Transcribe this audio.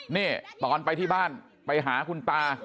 นี่ตอนไปที่บ้านไปหาคุณตา